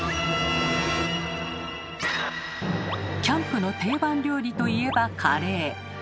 キャンプの定番料理といえばカレー。